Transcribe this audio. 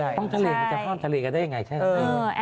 มันต้องมีทะเลค่ะพราบทะเลก็ได้อย่างไรไหมครับ